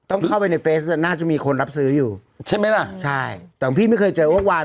ต้องเข้าไปในเฟซน่าจะมีคนรับซื้ออยู่ใช่ไหมล่ะใช่แต่พี่ไม่เคยเจอเมื่อวาน